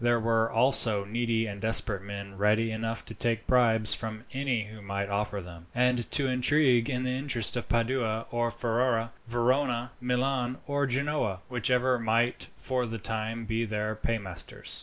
There were also needy and desperate men ready enough to take bribes from any who might offer them, and to intrigue in the interest of Padua or Ferrara, Verona, Milan, or Genoa whichever might for the time be their paymasters.